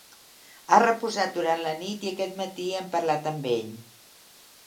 Ha reposat durant la nit i aquest matí hem parlat amb ell.